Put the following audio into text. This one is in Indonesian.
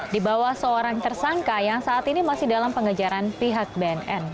di bawah seorang tersangka yang saat ini masih dalam pengejaran pihak bnn